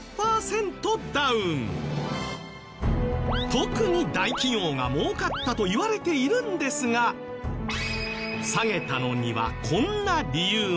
特に大企業が儲かったといわれているんですが下げたのにはこんな理由も。